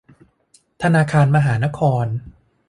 ธนาคารมหานคร